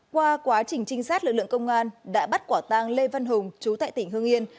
qua quá trình trinh sát lực lượng công an đã bắt quả tang lê văn hùng chú tại tỉnh hương yên